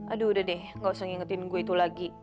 aduh udah deh gak usah ngingetin gue itu lagi